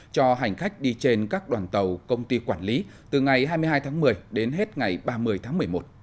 cho hành khách đi trên các đoàn tàu công ty quản lý từ ngày hai mươi hai tháng một mươi đến hết ngày ba mươi tháng một mươi một